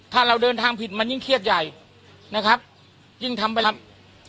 ถ้าเราเดินทางผิดมันยิ่งเครียดใหญ่นะครับยิ่งทำไปแล้ว